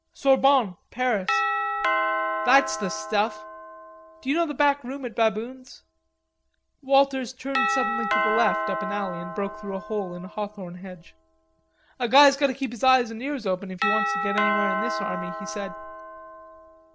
"Sorbonne, Paris." "That's the stuff. D'you know the back room at Baboon's?" Walters turned suddenly to the left up an alley, and broke through a hole in a hawthorn hedge. "A guy's got to keep his eyes and ears open if he wants to get anywhere in this army," he said.